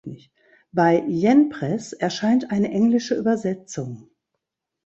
Bei Yen Press erscheint eine englische Übersetzung.